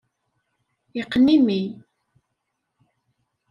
Iqqen imi.